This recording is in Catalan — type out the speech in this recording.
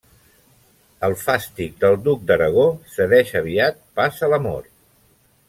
El fàstic del duc d'Aragó cedeix aviat pas a l'amor.